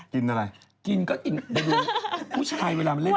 กินอะไรกินก็กินไม่รู้แวะแถวรัชดาด้วย